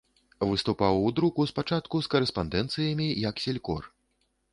Выступаў у друку спачатку з карэспандэнцыямі як селькор.